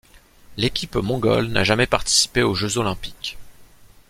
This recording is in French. L'équipe mongole n'a jamais participé aux Jeux olympiques.